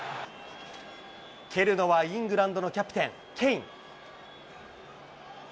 蹴るのはイングランドのキャプテン、ケイン。